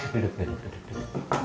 duduk duduk duduk